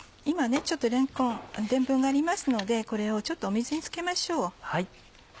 今ちょっとれんこんデンプンがありますのでこれをちょっと水に漬けましょう。